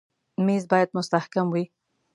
مېز باید مستحکم وي.